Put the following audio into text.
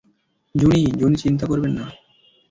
জুনি, জুনি চিন্তা করবেন না।